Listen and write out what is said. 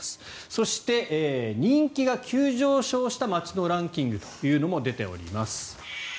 そして、人気が急上昇した街のランキングも出ております。